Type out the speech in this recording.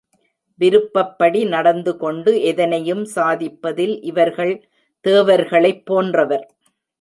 விருப்பப்படி நடந்துகொண்டு எதனையும் சாதிப்பதில் இவர்கள் தேவர்களைப் போன்றவர்.